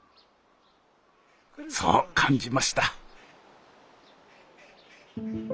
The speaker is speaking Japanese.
そう感じました。